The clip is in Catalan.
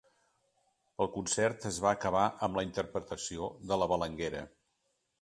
El concert es va acabar amb la interpretació de ‘La Balanguera’.